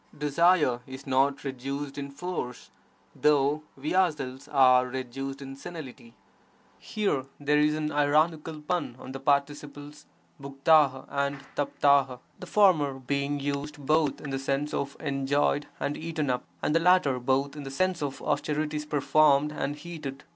Desire is not reduced in force, though we ourselves are reduced to senility. [Here there is an ironical pun on the participles "grfiT: and dKli:, the former being used both in the sense of 'enjoyed' and 'eaten up', and the latter both in the sense of '(austerities) performed' and 'heated'.